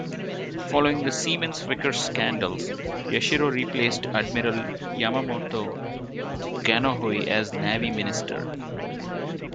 Following the Siemens-Vickers scandals, Yashiro replaced Admiral Yamamoto Gonnohyoe as Navy Minister.